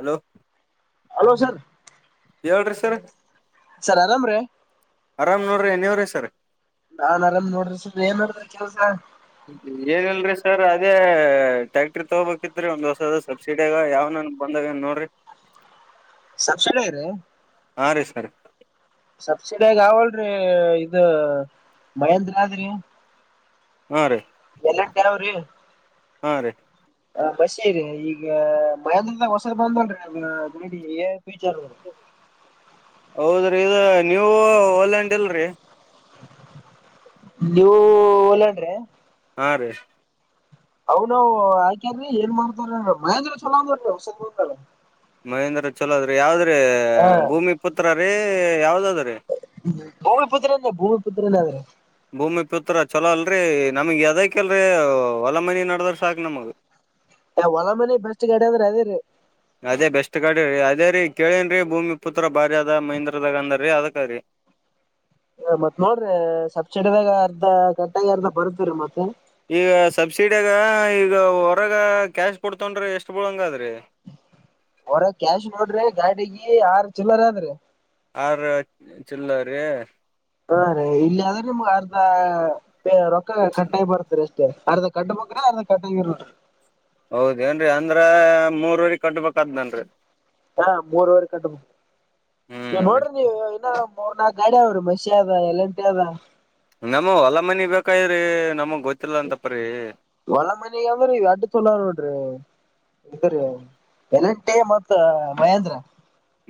Hello. Hello sir. ಹೇಳರಿ sir. Sir ಆರಾಮ್ ರಿ. ಆರಾಮ್ ನೋಡ್ರಿ ನೀವ್ರೇ ಸರ್. ನಾನ್ ಆರಾಮ್ ನೋಡ್ರ ಸ ಏನ್ ಮಾಡದ ಕೆಲ್ಸಾ. ಇದೇ ಟ್ಯಾಕ್ಟ್ರಿ ತಗೋಬೇಕಿತ್ರಿ ಒಂದ್ ಹೊಸದ ಸಬ್ಸಿಡ್ಯಾಗ್ ಯಾವನನ್ ಬಂದವ ಏನ ನೋಡ್ರಿ. ಸಬ್ಸಿಡ್ಯಾಗ ರಿ. ಸರಿ. ಸಬ್ಸಿಡ್ಯಾಗ ಅವಲ್ರರಿ ಇದ ಮಹೇಂದ್ರ ರಿ. ಹಾ ರೀ. ಎಲ್ಲಾ ತರು ಹೋಗ್ರಿ ಹಾ ರೀ ಹ ಬಸಿ ರರಿ ಈಗ ಮಹೇಂದ್ರದಾಗ ಹೊಸರ್ ಬಂದಲ್ ಈಗ ಗಡಿ ಏ ಬೀಚ್ರ್ ಹೌದ್ರಿ ಇದು ನೀವು ಐಲ್ಯಾಂಡ್ ಇಲ್ರರಿ ನೀವು ಒಲೆನ್ರಿ ಹಾರಿ ಅವ್ನು ಆಕೇಂದ್ರೀ ಏನ್ ಮಾಡ್ತಾರ ಮಹೇಂದ್ರ ಚಲೋ ಅದವು ಹೊಸದ ಬತಲ್ಲ ಮಹೇಂದ್ರ ಚಲೋದ್ರೀ ಯಾವುದ್ರೀ ಹಾ ಭೂಮಿ ಪುತ್ರ ರೀ ಯಾವುದ್ರೀ ಭೂಮಿಪುತ್ರೇ ಭೂಮಿಪುತ್ರನ ಅೇ ಭೂಮಿ ಪುತ್ರ ಚಲೋ ಅಲ್ರಿ ನಮಗೆ ಎದಕ್ಕೆ ಹೊಲ ಮನೆ ನಡದ್ರೆ ಸಾಕು ನಮಗೆ ಹೊಲ ಮನೆ ಬೆಸ್ಟ್ ಗಾಡಿ ಅಂದ್ರೆ ಅದೇ ರೀ ಅದೇ ಬೆಸ್ಟ್ ಗಾಡಿ ರೀ ಅದೇ ರೀ ಹೇಳಿದ್ದೀರಿ ಭೂಮಿ ಪುತ್ರ ಬಾರ ಅದ ಮಹೀಂದ್ರದಾಗ ಅಂದ್ರೀ ಅದಕ ರೀ ಮತ್ತೆ ನೋಡ್ರಿ ಸಬ್ಸಿಡಿಯಲ್ಲಿ ಅರ್ಧ ಕಟ್ಟಾಗಿ ಬರುತ್ತೆ ಮತ್ತೆ ಈಗ ಸಬ್ಸಿಡಿಯಾಗ ಈಗ ಹೊರಗ ಕ್ಯಾಶ್ ತಗಂಡ್ರೆ ಎಷ್ಟು ಬೀಳಂಗ ಅದ್ರೀ ಹೊರಗೆ ಕ್ಯಾಶ್ ನೋಡಿದ್ರೆ ಗಾಡಿಗ ಆರು ಚಿಲ್ಲರ ಅಂದ್ರಿ ಆರ ಚಿಲ್ಲ ರೀ ಹಾ ರೇ ಇಲ್ಲಿ ಆದ್ರೆ ರೀ ನಿಮ್ಗ್ ಅರ್ಧ ರೊಕ್ಕ ಕಟ್ಟಾಗಿ ಬರುತ್ತೇರಿ ಅರ್ಧ ಕಟ್ಟ ಬೇಕರಿ ಅರ್ಧ ಕಟ್ಟಂಗಿಲ್ಲ ಹೌದೇನ್ರೀ ಅಂದ್ರೆ ಅರ್ಧ ಮೂರುವರೆ ಕಟ್ಟಬೇಕೇನ್ರಿ ಹಾ ಮೂರ್ವರೆ ಕಂಡಿ ನೀ ಹ್ಮ್ ರೀ. ನೋಡ್ರಿ ನೀವು ಮೂರ್ ನಾಕು ಗಾಡಿ ಅವರು ಮಷಿ ಇದೆ ಎಲ್ ಅಂಡ್ ಟಿ ಇದೆ ನಮ್ಮ ಹೊಲ ಮನೆ ಬೇಕಾದ್ರಿ ನಮಗ್ ಗೊತ್ತಿಲ್ಲ ಅಂತಪ್ಪ್ರಿ ಒಲ ಮನ ಅಂದ್ರಿ ಅಡ್ಡ ತೋಲಾ ನೋಡ್ರಿ ಇದರಿ ಎಲ್ ಅಂಡ್ ಟಿ ಮತ್ತೆ Mahindra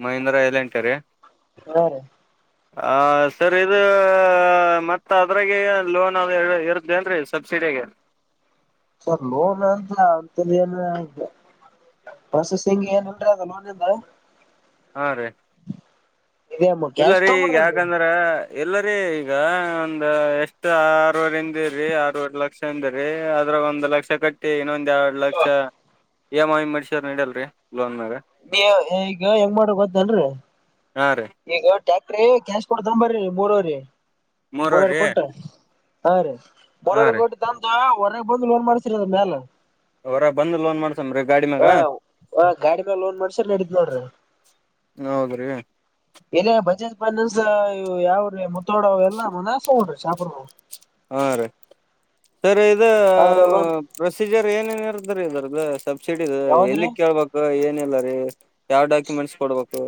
Mahindra L and T ರೀ ಹಾ ರೀ ಆ ಸರ್ ಇದು ಮತ್ತ ಅದ್ರಾಗೆ ಲೋನ್ ಇರುತ್ತೆ ಏನ್ರಿ ಸಬ್ಸಿಡಿ ಸರಿ ಸರ್ ಲೋನ್ ಅಂತ ಅಂತ ಏಲ್ಲ ಆ ಬಸುತ್ ಸಿಂಗ್ ಏನಲ್ರರಿ ಅದ ಲೋನಿಂದ ಹಾ ರೀ ಕ್ಯಾಶ್ ಇಲ್ಲಾರಿ ಈಗ ತಗೊಂಬಿಡ್ರಲ್ರಿ ಯಾಕಂದ್ರೆ ಇಲ್ಲ ರೀ ಈಗ ಒಂದ ಎಷ್ಟ ಆರೂವರೆಂದಾರಿ ಆರು ಲಕ್ಷ ಅಂದ್ರೀ ಅದ ಅದರ ಒಂದು ಲಕ್ಷ ಕಟ್ಟಿ ಇನ್ನೊಂದ ಲಕ್ಷ ಮೇಲೆ ಎಂಟ್ರಿ ನೀ ಈಗ ಹೆಂಗ್ ಮಾಡ್ರಿ ಗೊತ್ತೇನ್ರೀ ಹಾ ರೀ ಈಗ ಟ್ಯಾಕ್ಟರ್ ಕ್ಲಾಸ್ ಕೊಡ್ತಾರೆ ಮೂರುವರೆ ಮೂರುವರೆ ಮೂರವ್ರಿ ಕೊಟ್ಟು ಹಾ ರೀ ಹಾ ಮೂರುವರೆ ರೀ ಕೊಟ್ ತಂದು ಹೊರಗೆ ಲೋನ್ ಮಾಲ್ ಮಾಡುಶ್ರೀ ಅದರ ಮೇಲೆ ಹೊರ ಬಂದ್ ಲೋನ್ ಮಾಡ್ಸಮ್ರಿ ಗಾಡಿ ಹ ಮ್ಯಾಗ ಹ ಗಾಡಿ ಮ್ಯ ಲೋನ್ ಮಾಡ್ಸರಿ ನಡಿತದೆ ನೋಡ್ರಿ ಹೌದ್ರೀ ಇಲ್ಲ ಬಜಾಜ್ ಫೈನಾನ್ಸ್ ಯಾವುವು ಮುತ್ತೋಡ ಫೈನಾನ್ಸ್ ಎಲ್ಲ ಹಗೊಂಡ್ರಿ ಶಾಪ್ರ ಹಾ ರೀ ಸರಿ ಇದ ಅದ್ರ ಲೋನ್ ಪ್ರೊಸೀಜರ್ ಏನೇನ್ ಇರುತ್ತೆ ಇದರ ಅಲ್ಲ ಸಬ್ಸಿಡಿ ಯಾವ್ದ್ರಿ ಎಲ್ಲಿ ಕೇಳಬೇಕು ಏನಿಲ್ಲ ರೀ ಯಾವ್ ಡಾಕ್ಯುಮೆಂಟ್ಸ್ ಕೊಡ್ಬೇಕು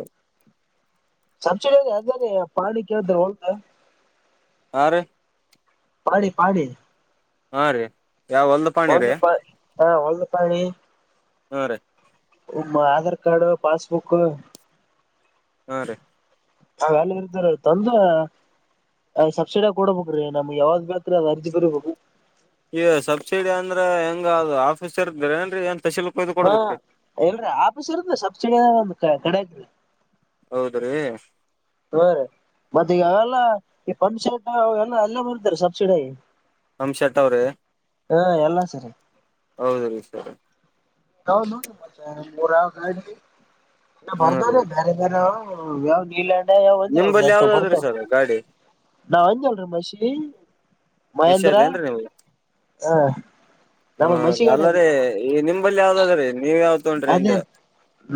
ಸಬ್ಸಿಡಿ ಅ್ದ ಪಾಣಿ ಕೇಳಿದ್ರೆ ಹೌದು ಹಾ ರೀ ಪಾಣಿ ಪಾಣಿ ಹಾ ರೀ ಯಾವ ಹೊಲ್ದ ಪಾಣಿ ರೀ ಒಂದುಪಾಣೆ ಒಂದು ಪಾಣಿ ಹಾ ರೀ ಹಮ್ಮ ಆಧಾರ್ ಕಾರ್ಡು ಪಾಸ್ಬುಕ್ ಹಾ ರೀ ಅವೆಲ್ಲ ಇರ್ತಾರ ತಂದೆ ಅಯ್ ಸಬ್ಸಿಿಯ ಕೊಡ್ಬೇಕ್ರೀ ನಮ್ಗ್ ಯಾವಾಗ್ ಬೇಕ್ರೀ ಅದ್ ಅರ್ಜಿ ಬರಿಬೇಕು ಈ ಸಬ್ಸಿಡಿ ಅಂದ್ರೆ ಹೆಂಗ ಅದು ಆಫೀಸರ್ ಗ್ರೇನ್ಿಂತ ಹಾ ಎಲ್ರೀ ಆಫೀಸ್ ಇರದ ಸಬ್ಸಿಡಿ ಅ ಒಂದ ಕಡೆೀ ಹೌದ್ರೀ ಹ್ರ ಮತ್ತೆ ಈ ಅವೆಲ್ಲ ಈ ಪಂಪ್ಸೆಟ್ ಅವ ಎಲ್ಲ ಅಲ್ಲೇ ಬರ್ತಾರೆ ಸಬ್ಸಿಡಿ ಹಂ ಶಟ್ ಅವ್ರೇ ಹ ಎಲ್ಲಾ ಸರಿ ಹೌದ ರೀ ಸ ತ ನ ಮ ಮರ ಗ ಹ್ಮ್ ಭರ್ದ ರೀ ಬೇರೆ ಬೇರೆ ಹ ಯಾವ್ ನೀಲ್ಯಂಡ ಯಾವ್ ಒಂದಲ್ರೀ ನಿಂಬಲ್ಲಿ ಅಂತ ಯಾವ್ದಾದ್ರಿ ಬರ್ತವ ಸರ್ ಗಾಡಿ ನಾವ ಒಂದಲ್ರಿೀ ಮಷಿ ಮಷದೆ ಅಏನ್ೀ ನಿಮಗೆ ಹ ನಮ್ಮ ಮಸಿ ಗಾಡಿ ಅದ್ರಿ ಅಲ್ಲದೆ ನಮ್ಮದು ಈ ನಿಮ ಲ್ಲಿ ಯಾವ್ದಾದ್ರೀ ನೀವ ಯಾವ್ದ ತಗೊಂಡ್ರಿ ಅದೇ ಅಂತ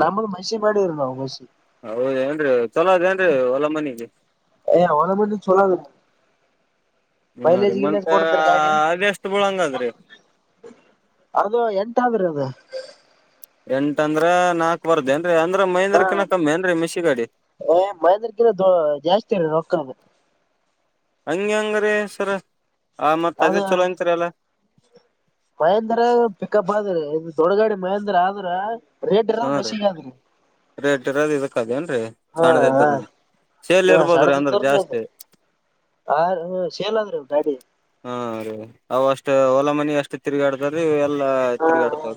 ನಮ್ಮದು ಮಸಿ ಮಾಡಿವ್ರಿ ನಾವು ಮಸಿ ಹೌದ ಏನ್ೀ ಚಲೋ ಅದೇಏನ್ೀ ಹೊಲ ಮನೆಗೆ ಏ ಅವಲ ಮನಿ ಚಲಾದ ಹಾ ರೀ ಬೈಲೆಜ ಗಲೆ ಮತ್ತ ಪಡುತ್ತ ಗಾಡಿ ಅದ್ ಎಷ್ಟ್ ಬೀಳಂಗದ್ರಿ ಅದು ಎಂಟಾದ್ರೆ ಅದು ಎಂಟ ಅಂದ್ರ ನಾಲ್ಕ್ ವರ್ದೇಏನ್ರರಿ ಅಂದ್ರ ಹ ಮಹಂದ್ರಕಿಿನ ಕಮ್ಮಿ ಏನ್ರರಿ ಮೆಸಿಗಾಡಿ ಏ ಮಹೇಂದ್ರಗಿಂತ ದ ಜಾಸ್ತಿ ಅರ ರೊಕ್ಕದು ಹಂಗಗೆ ಹಂಗರಿೀ ಸರ ಆ ಮತ್ತತ್ ಅದೇ ಅದು ಚಲೋ ಅಂತರಿ ಅಲ್ಲ ಮಹೇಂದ್ರ ಪಿಕಪ್ ಆದ್ರ ಇ ದೊಡ್ಡಗಾಡಿ ಮಹೇಂದ್ರ ಆದ್ರ ರೇಡ್ ಇರ ಹಾ ರೀ ಮೆಷಿಗೆ ಅದ್ರೀ ರೇಟ್ ಇರೋದ್ ಇದಕ್ ಅದೇಏನ್ರರಿ ಚಾಣದ ಹಾ ಇದ್ರನು ಸೇಲ್ ಹಾ ಇರ್ಬೋದ್ರೀ ಅಂದ್ರ ಸಣ್ಣದಿದ್ದರ್ನ ಜಾಸ್ತಿ ಆ ಸೇಲ್ದ್ರೆ ಗಾಡಿ ಹಾ ರೀ ಅವ ಅಷ್ಟ್ ಓಲಾ ಮನಿ ಅಷ್ಟು ತಿರುಗಾಡತಾರೀ ಹಾ ಹ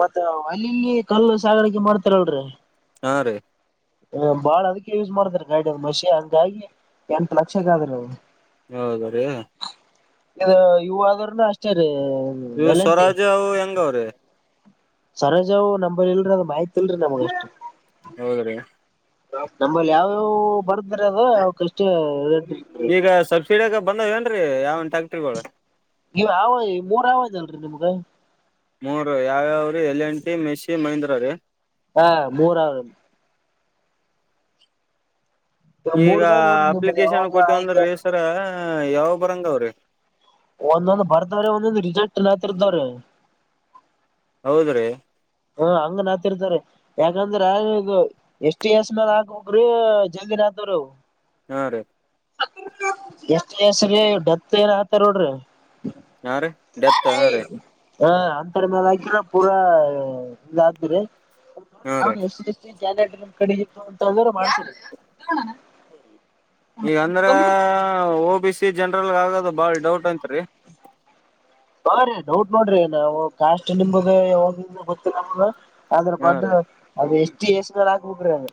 ಮತ್ತ ಅಲ್ಲಿಲ್ಲಿ ಕಲ್ಲು ಸಾಗಾಣಿಕೆ ಮಾಡ್ತಾರಲ್ರರಿ ಹಾ ರೀ ಹ ಬಾಳ ಅದಕ್ಕೆ ಯೂಸ್ ಮಾಡ್ತಾರ ಗಾಡದ ಮಷಿ ಹಂಗಾಗಿ ಎಂಟ ಲಕ್ಷಕ್ಕಾದ್ರೆವು ಹೌದ್ರೀ ಇ ಇವಾದ್ರನು ಅಷ್ಟೇ ರೀ ಇ ಎಲ್ ಸ್ವರಾಜ ಅವ ಯಂಗಾವ್ರ ಸರೋಜಾವ್ ನಂಬ್ಿ ಇಲ್ರರಿ ಅದ್ ಮಾಹಿತಿ ಇಲ್ರರಿ ನಮಗೆ ಎಷ್ಟು ಹೌದ್ರಿ ನಮ್ಮಲ್ಲಿ ಯಾವ್ಯಾವವು ಬರ್ದ್ರ ಅದ ಅವ ಕಷ್ಟ ಈಗ ಸಬ್ಸಿಡ ಆಗ ಬಂದ್ ಏನ್ರೀ ಯಾವನ್ ಟ್ಯಾಕ್ಟ್ರಿಗಳು ನೀ ಆವ ಮೂರ್ ಆವ ಇದದಲ್ರರಿ ನಿಮ್ಗ ಮೂರ್ ಯಾವ್ಯಾವ್ರೀ L N T Massey Mahindra ರೀ ಹಾ ಮೂರಾವರ ಈಗ ಮೂರ್ದಾಗ ನೋಡ್ರಿ ನಿಮ್ದ ಅಪ್ಲಿಕೇಶನ್ ಯಾವಾಗ ಕೊಟ್ಟಿವ ಅಂದ್ರ ಆಯ್ಕೆ ರಸರ ಯಾವ ಬರಂಗ ಅವ್ರಿ ಒಂದೊಂದು್ ಬರ್ತವ್ರ ಒಂದೊಂದು್ ರಿಜಲ್ಟ್ ನತಿರ್ತವ್ರೆ ಹೌದ್ರೀ ಹ ಹಂಗ ನಾತಿರ್ತಾರ ಯಾಕಂದ್ರ ಈಗ ಎಷ್ಟು ಎಸ್ ಮೇಾಲ ಹಾಕ ಹೋಗ್ರಿ ಜ ಿನ ತರು ಹಾ ರೀ ಎಷ್ಟ ವಸ್ರೀ ಡತ್ ಏ ಹತಾರ ನೋಡ್ರಿ ಹಾ ರೀ ಡೆತ್ ಹಾ ರೀ ಹ ಅಂತರ ಮೇಾಲ ಹಾಕ್ರ ಪೂರಾ ಇದ ಆಗ್ತರಿ ಹಾ ರೀ ಎಷ್ಟ ಗ್ಯಾಲೆಡ್ರಮ್ ಕಡೆಗಿತ್ತು ಅಂತ ಅಂದ್ರೆ ಮಾಡ್ಸರ ಈಗಂದ್ರ ಓ ಬಿ ಸಿ ಜನ್ರಲ್ ಆಗದು ಬಾಳ ಡೌಟ್ ಅಂತ ಹ ರೀ ಡೌಟ ನೋಡ್ರಿ ನಾವು ಕಾಸ್ಟ್ ನಿಮದು ಯಾವಗಿಂದರ ಗೊತ್ತಿಲ್ಲ ನಮಗ ಅದ್ರ ಹಾ ಬದಲ ರೀ ಅದು ಎಷ್ಟ ಹೆಚ್ಚಿಗ ಎಷ್ಟನ ಹಾಕ್ಬೇಕ್ರಿ ಅದು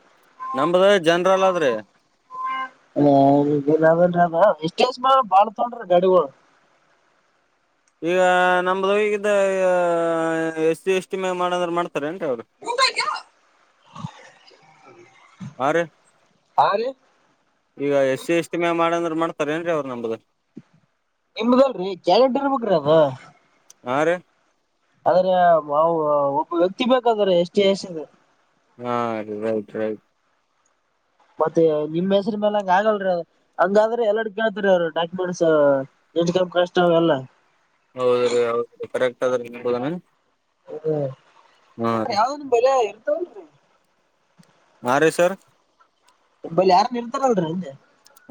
ನಂಬದ ಜನ್ರಲ ಆದ್ರಿ ಎಷ್ಟ ದಿವಸ ಮಾಡಬೇಕ ಬಾಳ್ ತೋಂಡ್ರಿ ಗಾಡಿಗೊಳು ಈಗ ನಮ್ದೋಗಿದ ಎಸ್ ಎಸ್ಟಿ ಮ್ಯಾಗ ಮಾಡಂದ್ರ ಮಾಡ್ತ ದ್ರಿ ಅವರು [inaudible] ಆ ರಿ ಹಾ ರೀ ಈಗ ಎಸಿ ಎಷ್ಟಿ ಮ್ಯಾಗ ಮಾಡಂದ್ರ ಮಾಡ್ತಾರ ಏನ್ರೀ ಅವ್ರು ನಂಬದು ನಿಮ್ದಲ್ರೀ ಗ್ಯಾರೆಂಟಿ ಇರಬೇಕರಿ ಅದ ಹಾ ರೀ ಅದರಿ ಒಬ್ಬ ವ್ಯಕ್ತಿ ಬೇಕದ್ರಿ ಎಷ್ಟಿ ಎಸಿದ ಹಾ ರೈಟ್ ರೈಟ್ ಮತ್ತೆ ನಿಮ್ ಹೆಸ್ರ ಮ್ಯಾಲ ಹಂಗ ಆಗಲ್ರರಿ ಅ ಹಂಗಾದ್ರ ಎಲ್ಲಟ ಕೇಳತ್ರಿ ಅವರು ಡಾಕ್ಯುಮೆಂಟ್ಸ್ ಇನ್ಕಮ್ ಕಾಸ್ಟ್ ಅವೆಲ್ಲ ಹೌದ್ರೀ ಹೌದ್ರಿ ಕರೆಕ್ಟ್ ಆದ್ರಿ ನಿಮ್ಮಬೋದುನ ಹ ನೋಡರಿ ಯಾವ್ದ ನಿ ಬಲೆ ಎತಾವಲ್ರಿ ಹಾ‌ ರೀ ಸರ್ ನಿಂಬಲ್ಲಿ ಯಾರನ ಇರ್ತಾರಲ್ರರಿ ಅಂದೆ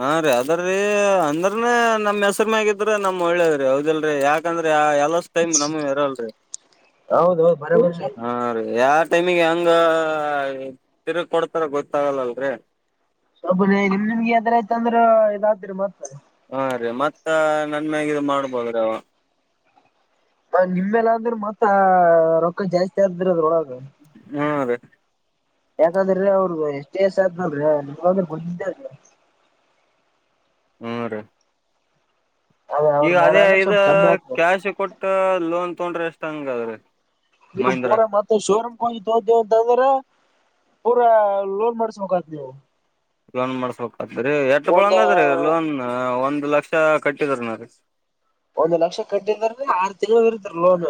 ಹಾ ರೀ ಅದ್ರೀ ಅಂದ್ರನ ನಮ್ ಹೆಸ್ರ ಮ್ಯಾಗಿದ್ರ ನಮ್ ಒಳ್ಳೇದ್ರಿ ಹೌದಿಲ್ರರಿ ಯಾಕಂದ್ರ ಎಲಸ್ಸು ಟೈಮ್ ನಮ್ಮುವೆ ಇರಲ್ರಿ ಹೌದೌದು ಬರಬರಿ ಹಾ ರೀ ಟೈಮಿಗೆ ಹೆಂಗ ತಿರುಗ ಕೊಡ್ತಾರ ಗೊತ್ತಾಗಲ್ಲಲ್ರಿ ಸ್ವಬ ನಿಮ್ ನಿಮ್ಗ ಯದ್ರ ಆಯತ ಅಂದ್ರ ಇದಾತದರಿ ಮತ್ತ ಹಾ ರೀ ಮತ್ತ ನನ್ ಮ್ಯಾಗ ಇದು ಮಾಡ್ಬೋದ್ರಿ ಅವ ಹ ನಿಮ್ಮೆಲ್ಲ ಅಂದ್ರ ಮತ್ತ ರೊಕ್ಕ ಜಾಸ್ತಿ ಆತದ್ರಿ ಅದರ ಒಳಗ ಹ್ಮ ರೀ ಯಾಕಾಂದ್ರೀ ಅವರದ ಎಷ್ಟಿ ಎಸಿ ಆತ್ತದಲ್ಲರಿ [unintelligible] ಹ್ಮ ರೀ ಅದ ಅವ್ರ ಈಗ ಮ್ಯಾಲ ಅದೇ ಅಂದ್ರ ಇದ ಸ್ವಲ್ಪ ಕಮ್ಮಿ ಆತದ ಕ್ಯಾಶ್ ಕೊಟ್ಟ ಲೋನ್ ತೊಂಡ್ರ ಎಷ್ಟ ಹಾಗಂಗಾದ್ರಿ ನೀವು ಪೋರ ಮತ್ತ ಶೋರಂ ಕೊಗಿ ತೋಂತಿವ ಅಂದ್ರ ಪೂರ ಲೋನ್ ಮಾಡಸ್ಬೇಕಾತದ ನೀವು ಲೋನ್ ಮಾಡ್ಸ್ಬೇಕತದ್ರಿ ಎಟ್ ಒಂದ ಬುಳಂಗದ್ರೀ ಲೋನ್ ಒಂದ್ ಲಕ್ಷ ಕಟ್ಟಿದರನು ರೀ ಒಂದ್ ಲಕ್ಷ ಕಟ್ಟಿಂದ್ರ ಆರ ತಿಂಗಳ ಇರುತ್ತದ್ರಿ ಲೋನ್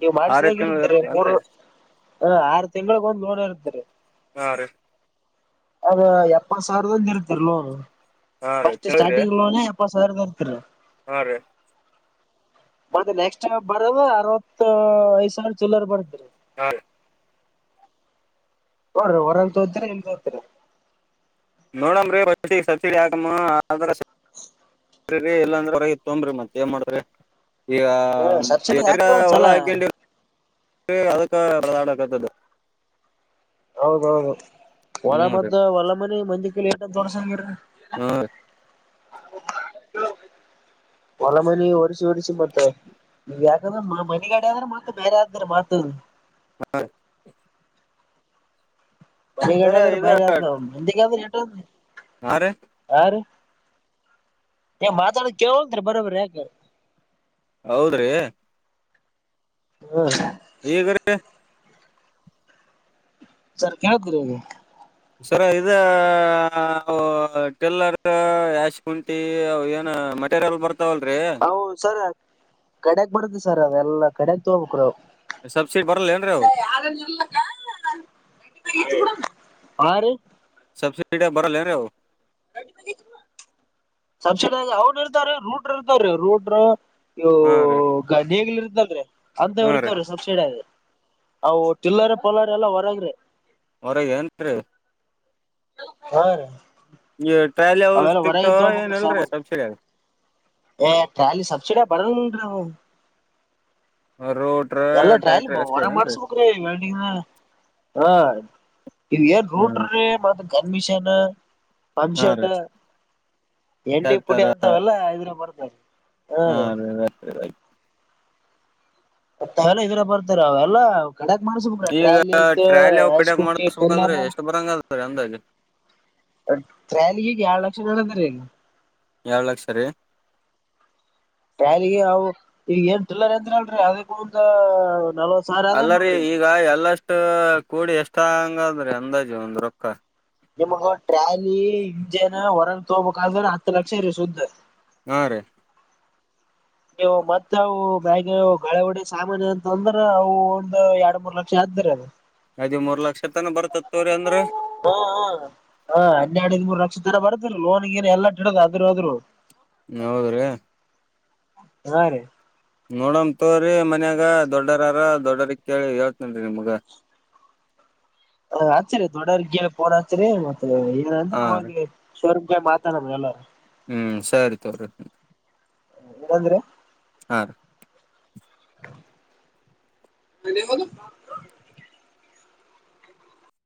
ನೀವು ಆರೇ ಮಾಡ್ಸಿದಂಗ ತಿಂಗಳ ಇರ್ತದರಿ ಇರುತ್ತೆ ಏನ್ರಿ ಮೂರ್ ಹ ಆರ ತಿಂಗಳಿಗ ಒಂದ್ ಲೋನ್ ಇರ್ತದ್ರಿ ಹಾ ರೀ ಅದು ಎಪ್ಪತ್ ಸಾವಿರದಿಂದ ಇರತ್ತದರಿ ಲೋನ ಹಾ ರೀ ಫಸ್ಟ್ ಕೇಳಿದ್ರಿ ಸ್ಟಾರ್ಟಿಂಗ್ ಲೋನ ಇಪ್ಪತ್ ಸಾವಿರದಂತ್ರಿ ಹಾ ರೀ ಮತ್ತ ನೆಕ್ಸ್ಟ್ ಟೈಮ್ ಬರದ ಅರವತ್ತು ಐದ್ ಸಾವಿರ ಚಿಲರ್ ಬರತ್ತರಿ ಹಾ ರೀ ನೋಡ್ರಿ ಹೊರಗ ತೋತಿರ ಇಲ್ಲ ತೋತಿರ ನೋಡಮ್ರೀ ಫಸ್ಟಿಗ ಸಬ್ಸಿಡಿ ಹಾಕಮ್ಮ [unintelligible] [inaudible] ರಿ ಇಲ್ಲಾಂದ್ರ ಹೊರಗೆ ತೊಂಬ್ರಿ ಮತ್ ಏನ್ ಮಾಡ್ತರಿ ಈಗ ಹ ಸಬ್ಸಿಡಿ ಹಾಕ್ರಿ ಹೊಲ ಒಂದ್ಸಲ ಹಾಕಂಡ ಅದಕ್ಕ ಬಡದಾಡಕತ್ತದು ಹೌದೌದ ಹೊಲಾ ಮತ್ತ ಹೊಲ್ಲ ಮನಿ ಮಂದಿ ಕೈಲೇ ಎಷ್ಟಂತ ಹೊರಸಂಗಿರಿ ಹ್ಮ [inaudible] ಹೊಲ ಮನಿ ಒರ್ಸಿ ಒರ್ಸಿ ಮತ್ತೆ ನೀವ ಯಾಕಂದ್ರೆ ಮನಗಡೆ ಆದ್ರೆ ಮತ್ತ ಬೇರೆಯಾರ್ಗರ ಮಾರ್ - [unintelligible] ಮನಿಗಡೆ ಸರ ಆದ್ರೆ ಇದ ಬರೆ ಆದ್ರ ಮಂದಿಗೆದ್ರಿ ಹಾ ರೀ ರಿ ಮಾತಾಡೊದು ಕೆಳ್ವಂತ್ರಿ ಬರಿ ಬರಿ ಏಕ ಹೌದ್ರಿ ಹ್ಮ ಈಗರಿ ಸರ್ ಕೇಳ್ [unintelligible] ಸರ ಇದೆ ಅವು ಟಿಲ್ಲರ್ ಯಾಶ್ಕುಂಟಿ ಏನ ಮೆಟೀರಿಯಲ್ ಬರ್ತಾವಲ್ರಿ. ಕಡಕ್ ಬರುತ್ತ ಸರ್ ಅವೆಲ್ಲಾ ಕಡೆಗ್ ತೊಗ್ಬೇಕ್ರಿ ಅ ಸಬ್ಸಿಡಿ ಬರ್ತೀನ್ರಿ ಅವು. ಹಾ ರಿ ಸಬ್ಸಿಡಿಯಾಗ್ ಬರಲ್ಲೇನ್ರಿ ಅವು. ಸಬ್ಸಿಡಿಯಾಗ್ ಅವ್ರು ಇರ್ತಾರ ರುಟ್ರು ಇರ್ತಾರೀ ರುಟ್ರು. ಇವು ಹಾ ರೀ ಗದ್ದೆಲ್ ಇರ್ತಲ್ರಿ ಅಂತವು ಹಾ ರೀ ಇರ್ತವ್ರಿ ಸಬ್ಸಿಡಗ. ಅ ಟಿಲ್ಲರೆ ಪಲ್ಲಾರ ಎಲ್ಲಾ ಹೊರಗ್ರಿ. ಒರಗ್ ಎನ್ರಿ. ಹಾ ರೀ [unintelligible] ಅವೇಲ ಒರಗ್ ಇಂದ್ ಸಿಗ್ತಾವ ಏನ್ ತೊಗಬೆಕ್ರಿ ಇಲ್ರಿ ಸಾಮಿ ಸಬ್ಸಿಡಿ ಎ ಶಾಲಿ ಸಬ್ಸಿಡಿಯಾಗ್ ಬರ ಹೌ ರೋಟ್ರ ಎಲ್ಲ ಟ್ರಾಲಿ ಟ್ಯಾಕ್ಟರ್ ಅಷ್ಟೇ ವಾರಗ್ ಏನ್ರಿ ಮಾಡ್ಸಬೇಕ್ರಿ ವೆಲ್ಡಿಂಗ. ಇವ್ ಏನ್ ಹ್ಮ ರೂಟ್ರೀ ಮತ್ತ ಜನ್ಮಿಷನ. ಹಾ ಪಂಶಟ ರೀ ಎಣ್ಣೆ ಪುಡಿ ಟ್ಯಾಕ್ಟರ್ ಅಂತಾವೆಲ್ಲ ಇದ್ರ ಬರ್ತಾವೆ. ಹಾ [unintelligible] [unintelligible] ಇದ್ರ ಬರ್ತಿರ ಅವೆಲ್ಲಾ ಕಡಕ್ ಮಾಡಸ್ಬೇಕು ಈಗ ಟ್ರ್ಯಲಿ ಐತ ಟ್ರ್ಯಾಲಿ ಅವ್ ಕಡಿಯಾಕ್ ಐಸ್ಕಂಟು ಮಾಡಸ್ಬೇಕಂದ್ರೆ ಟ್ರಿಲ್ಲರು. ಎಷ್ಟ್ ಬರಂಗದ್ರೀ ಅಂದಾಜು ಟ್ಯಾಲಿಗ್ ಎಳ್ ಲಕ್ಷ ಹೇಳಿದ್ರಿ. ಎಳ್ ಲಕ್ಷ ರಿ ಟ್ಯಾಲಿಗೆ ಅವು ಈಗ ಏನ್ ಟಿಲ್ಲರ್ ಅಂದ್ರ ಅಲ್ರರಿ ಅದಕ್ಕೂಂದ. ಅಲ್ಲರಿ ಈಗ ಎಲ್ಲಷ್ಟ ಕೂಡಿ ಎಷ್ಟಂಗಾದ್ರಿ ಅಂದಾಜು ಒಂದ್ ರೊಕ್ಕ ನಿಮ್ಗ ಟ್ರ್ಯಾಲಿ ಇಂಜೆನ್ ಹೊರಗ್ ತಗಬೇಕಂದ್ರ ಹತ್ತು ಲಕ್ಷ ಇರಿ ಸುದ್ ಹಾ ರೀ ನೀವು ಮತ್ತೆ ಅವು ಮ್ಯಾಗ [unintelligible] ಹೊಡಿ ಸಾಮಾನ್ ಎನ ತಂದ್ರ ಅವು ಒಂದ್ ಎರಡ್ ಮೂರ್ ಲಕ್ಷ ಆತ ಅ [unintelligible] ಇದೆ ಮೂರ್ ಲಕ್ಷ್ - - ಹ್ಮ ಹಾ ಹಾ ಹನ್ನೆರಡು ಐದ್ ಮೂರು ಲಕ್ಷ ತರ ಬರುತ್- - ಲೋನ್ ಗಿನ್ ಏನ್ ಎಲ್ಲಾ [unintelligible] ಆದ್ ದೊದ್ರು ಹೌದ್ರೀ ಹಾ ರೀ ನೋಡ ನ್ ತೋಗರಿ ಮನ್ಯಾಗ ದೊಡ್ಡರರ ದೊಡ್ಡರಿ ಕೇಳಿ ಹೇಳ್ತನ್ ನಿಮ್ಗ್- ಹಚ್ರಿ ದೊಡರ್ ಕೇಳ್ ಪೋನ್ ಹಚ್ರಿ ಮತ್ತೆ ಏನ ಅಂದ್ರೆ ಹಾ ರೀ ಹೊಗಿ [unintelligible] ಮಾತಾಡನ ಎಲ್ಲಾ ರ್ ಹ್ಮ್ ಸರಿ ತೋ ಏನಂದ್ರಿ ಹ ಮವದು